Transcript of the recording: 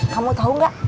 kamu tahu nggak